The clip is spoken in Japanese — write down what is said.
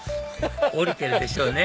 降りてるでしょうね